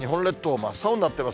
真っ青になってます。